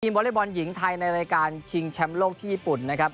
วอเล็กบอลหญิงไทยในรายการชิงแชมป์โลกที่ญี่ปุ่นนะครับ